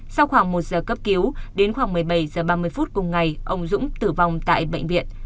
sau khoảng một giờ cấp cứu đến khoảng một mươi bảy h ba mươi phút cùng ngày ông dũng tử vong tại bệnh viện